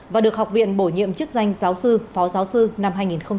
và được học viện bổ nhiệm chức danh giáo sư phó giáo sư năm hai nghìn hai mươi hai